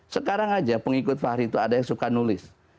sekarang aja pengikut fahri itu ada yang suka nulis